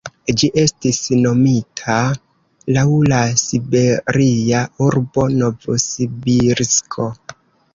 Ĝi estis nomita laŭ la siberia urbo Novosibirsko.